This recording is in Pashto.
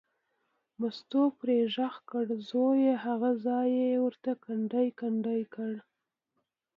مستو پرې غږ کړ، زویه هغه ځای یې ورته کندې کندې کړ.